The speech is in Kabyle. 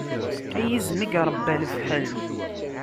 A yizem i iṛebba lefḥel!